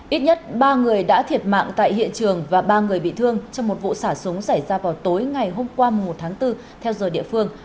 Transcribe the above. ít nhất ba người đã thiệt mạng tại hiện trường và ba người bị thương trong một vụ xả súng xảy ra vào tối ngày hôm qua một tháng bốn theo giờ địa phương